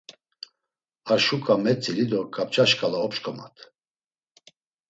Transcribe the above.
Ar şuǩa metzili do kapça şǩala opşǩomat.